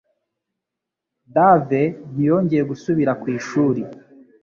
Dave ntiyongeye gusubira ku ishuri.